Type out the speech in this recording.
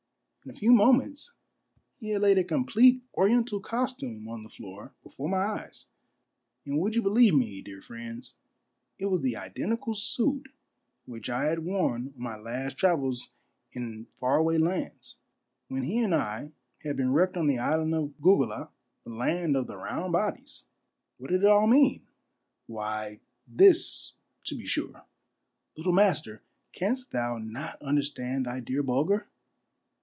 In a few moments he had laid a complete Oriental costume on the floor before my eyes ; and Avould you believe me, dear friends, it was the identical suit which I had worn on my last travels in far away lands, when he and I had been wrecked on the Island of Gogulah, the land of the Round Bodies. What did it all mean ? Why, this, to be sure :—" Little master, canst thou not understand thy dear Bulger